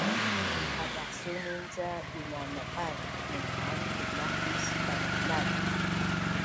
adasunin ca binanau’az munhan lumaq is bananaz